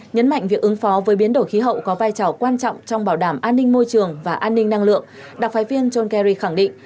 nhấn mạnh việc ứng phó với biến đổi khí hậu có vai trò quan trọng trong bảo đảm an ninh môi trường và an ninh năng lượng đặc phái viên john kerry khẳng định